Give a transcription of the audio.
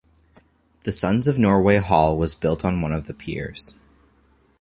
The Sons of Norway hall was built on one of the piers.